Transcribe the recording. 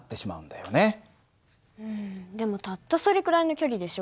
うんでもたったそれくらいの距離でしょ。